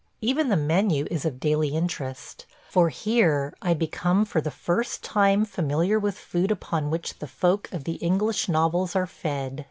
Even the menu is of daily interest, for here I become for the first time familiar with food upon which the folk of the English novels are fed.